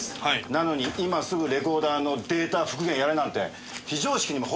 なのに今すぐレコーダーのデータ復元やれなんて非常識にも程があります。